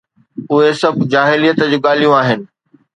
اهي سڀ جاهليت جون ڳالهيون آهن